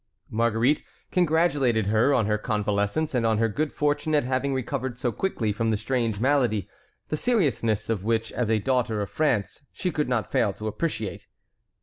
Marguerite congratulated her on her convalescence and on her good fortune at having recovered so quickly from the strange malady, the seriousness of which as a daughter of France she could not fail to appreciate.